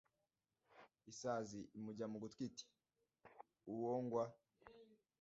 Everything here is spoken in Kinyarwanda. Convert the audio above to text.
isazi imujya mu gutwi iti: "uwo ngwa